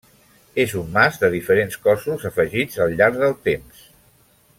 És un mas de diferents cossos, afegits al llarg del temps.